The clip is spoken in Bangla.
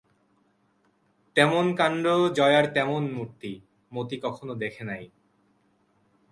তেমন কান্ড, জয়ার তেমন মূর্তি, মতি কখনো দ্যাখে নাই।